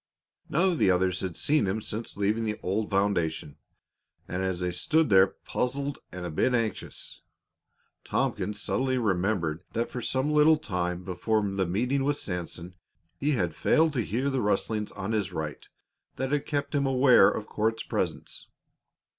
None of the others had seen him since leaving the old foundation, and as they stood there, puzzled and a bit anxious, Tompkins suddenly remembered that for some little time before the meeting with Sanson he had failed to hear the rustlings on his right that had kept him aware of Court's presence.